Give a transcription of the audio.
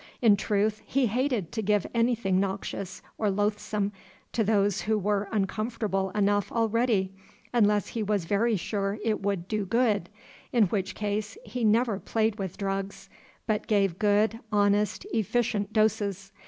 In truth, he hated to give anything noxious or loathsome to those who were uncomfortable enough already, unless he was very sure it would do good, in which case, he never played with drugs, but gave good, honest, efficient doses.